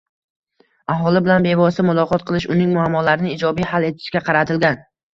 aholi bilan bevosita muloqot qilish, uning muammolarini ijobiy hal etishga qaratilgan